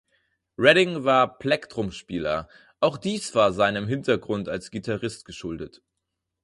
Redding war Plektrum-Spieler, auch dies war seinem Hintergrund als Gitarrist geschuldet.